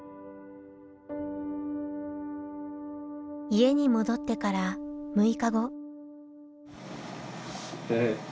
家に戻ってから６日後。